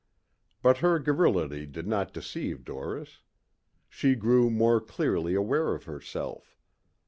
But her garrulity did not deceive Doris. She grew more clearly aware of herself.